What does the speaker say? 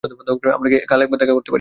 আমরা কি কাল একবার দেখা করতে পারি?